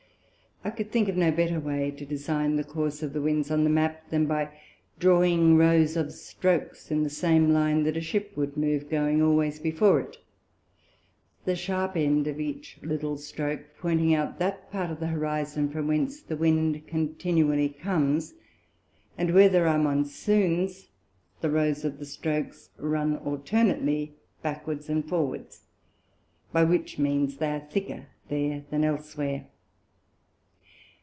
I could think of no better way to design the Course of the Winds on the Map, than by drawing rows of stroaks in the same Line that a Ship would move going always before it; the sharp end of each little stroak pointing out that part of the Horizon, from whence the Wind continually comes; and where there are Monsoons, the rows of the stroaks run alternately backwards and forwards, by which means they are thicker there than elsewhere.